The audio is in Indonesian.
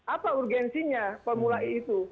apa urgensinya pemulai itu